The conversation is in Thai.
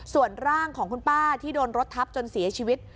ส่วนร่างของคุณป้าที่โดนรถทับจนเสียชีวิต